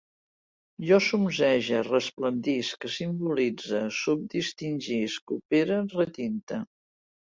Jo zumzege, resplendisc, simbolitze, subdistingisc, opere, retinte